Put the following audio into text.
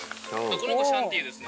この子シャンティですね。